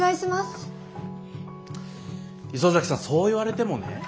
磯崎さんそう言われてもね。